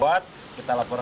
nanti diromak total